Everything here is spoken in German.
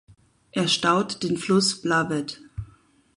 Er staut den Fluss Blavet.